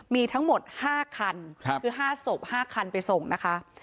มีทั้งหมด๕คันคือ๕ศพ๕คันไปส่งนะคะ